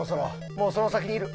もうその先にいる。